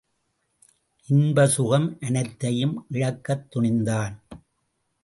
இன்ப சுகம் அனைத்தையும் இழக்கத் துணிந்தான்.